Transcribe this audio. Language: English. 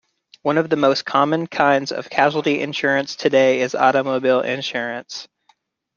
One of the most common kinds of casualty insurance today is automobile insurance.